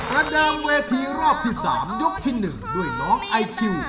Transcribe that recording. ระเดิมเวทีรอบที่๓ยกที่๑ด้วยน้องไอคิว